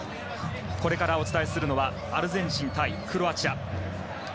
これからお伝えするのはアルゼンチン対クロアチア。